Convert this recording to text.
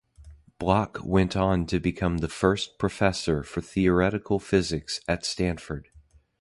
Bloch went on to become the first professor for theoretical physics at Stanford.